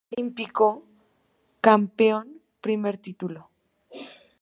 Ciclista OlímpicoCampeón"Primer título"